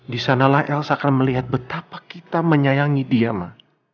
di sanalah elsa akan melihat betapa kita menyayangi dia ma